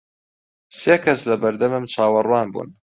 سێ کەس لە بەردەمم چاوەڕوان بوون.